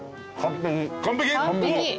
完璧？